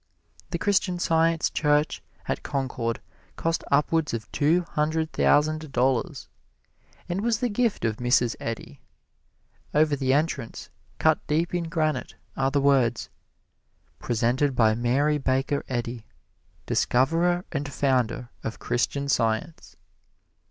The Christian Science Church at Concord cost upwards of two hundred thousand dollars, and was the gift of Mrs. Eddy. Over the entrance, cut deep in granite, are the words, "Presented by Mary Baker Eddy, Discoverer and Founder of Christian Science."